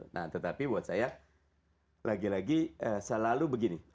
nah tetapi buat saya lagi lagi selalu begini